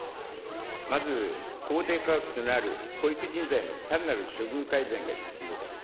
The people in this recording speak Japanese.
まず、公定価格となる保育人材のさらなる処遇改善が必要です。